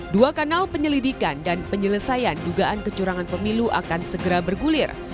dua kanal penyelidikan dan penyelesaian dugaan kecurangan pemilu akan segera bergulir